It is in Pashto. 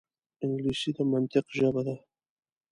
انګلیسي د منطق ژبه ده